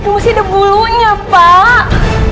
masih ada bulunya pak